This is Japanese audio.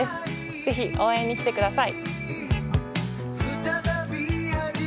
ぜひ応援に来てください。